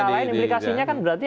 yang lain implikasinya kan berarti